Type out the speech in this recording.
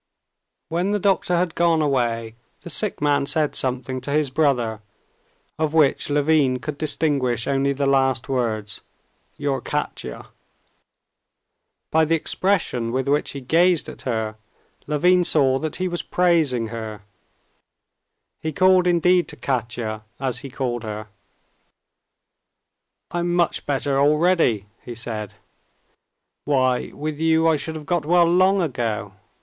When the doctor had gone away the sick man said something to his brother, of which Levin could distinguish only the last words: "Your Katya." By the expression with which he gazed at her, Levin saw that he was praising her. He called indeed to Katya, as he called her. "I'm much better already," he said. "Why, with you I should have got well long ago.